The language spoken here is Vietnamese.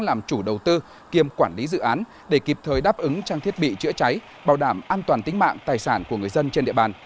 làm chủ đầu tư kiêm quản lý dự án để kịp thời đáp ứng trang thiết bị chữa cháy bảo đảm an toàn tính mạng tài sản của người dân trên địa bàn